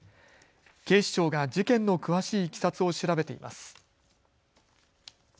警視庁が事件の詳しいいきさつを調べています。